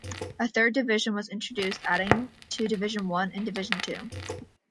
A Third Division was introduced adding to Division One and Division Two.